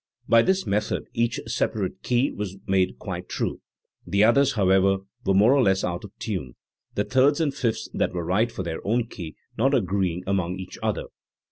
By this method each separate key was made quite true; the others, however, were more or less out of tune, the thirds and fifths that were right for their own key not agree ing among each other.